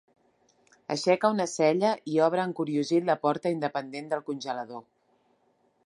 Aixeca una cella i obre encuriosit la porta independent del congelador.